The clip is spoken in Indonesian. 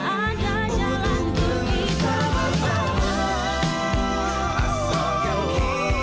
mencinta sepenuh hati